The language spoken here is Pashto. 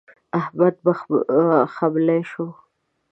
احمد خملۍ شو.